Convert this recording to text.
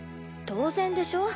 当然でしょ。